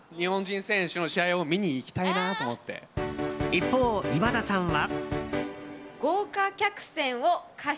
一方、今田さんは。